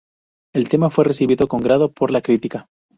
El tema fue recibido con agrado por la crítica.